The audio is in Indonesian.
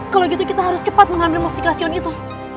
kalau gitu kita harus cepat mengambil mosdikasion itu